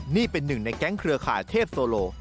นี่เป็นหนึ่งในแก๊งเครือข่ายเทพโซโล